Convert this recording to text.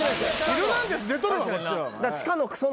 『ヒルナンデス！』出てんだ。